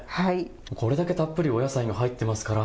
これだけたっぷりお野菜も入っていますから。